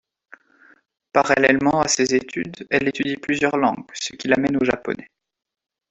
Parallèlement à ces études, elle étudie plusieurs langues, ce qui l'amène au japonais.